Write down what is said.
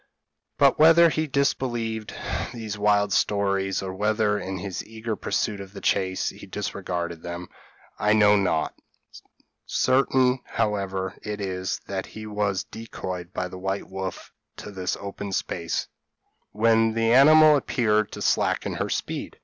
But, whether he disbelieved these wild stories, or whether, in his eager pursuit of the chase, he disregarded them, I know not; certain, however, it is, that he was decoyed by the white wolf to this open space, when the animal appeared to slacken her speed.